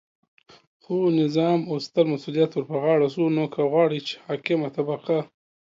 خو نظام او ستر مسؤلیت ورپه غاړه شو، نو که غواړئ چې حاکمه طبقه